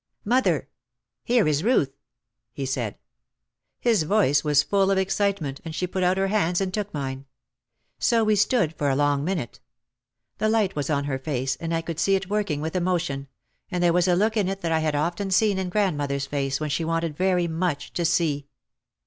"Mother, here is Ruth!" he said. His voice was full of excite ment and she put out her hands and took mine. So we stood for a long minute. The light was on her face and I could see it working with emotion, and there was a look in it that I had often seen in grandmother's face when she wanted very much to see.